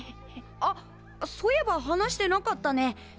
あっそういえば話してなかったね。